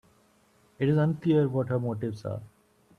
It is unclear what her motives are.